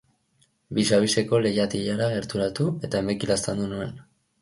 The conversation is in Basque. Bisabiseko leihatilara gerturatu, eta emeki laztandu zuen.